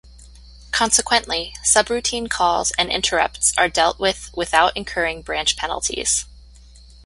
Consequently, subroutine calls and interrupts are dealt with without incurring branch penalties.